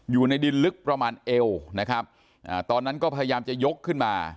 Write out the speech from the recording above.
อยู่ในดินลึกประมาณเอวนะครับอ่าตอนนั้นก็พยายามจะยกขึ้นมา